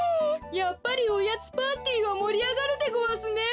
やっぱりおやつパーティーはもりあがるでごわすね！